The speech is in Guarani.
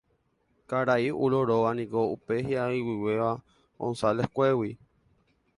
Karai Ulo róga niko upe hi'ag̃uivéva González-kuégui.